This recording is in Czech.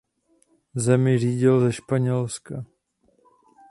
Zemi řídil ze Španělska.